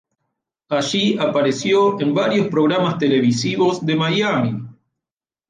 Allí apareció en varios programas televisivos de Miami.